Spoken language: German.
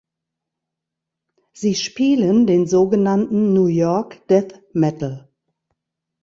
Sie spielen den sogenannten New York Death Metal.